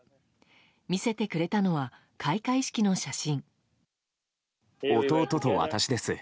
見せてくれたのは開会式の写真。